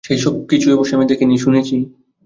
সেইসব কিছুই অবশ্যি আমি দেখি নি, শুনেছি।